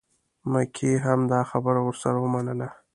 مکۍ هم دا خبره ورسره ومنله.